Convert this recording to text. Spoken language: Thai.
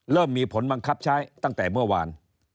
เริ่มมีผลบังคับใช้ตั้งแต่เมื่อวาน